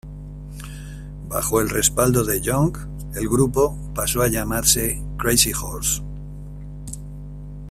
Bajo el respaldo de Young, el grupo pasó a llamarse Crazy Horse.